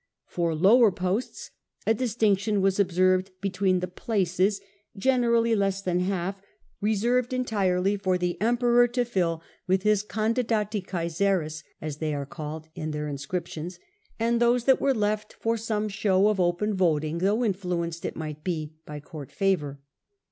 For lower posts a distinction was observed between the places, generally less than half, reserved entirely for the Emperor to fill with his candidati Casaris^ as they are called in their inscriptions, and those which were left for some show of open voting, though influenced, it might be, by court favour.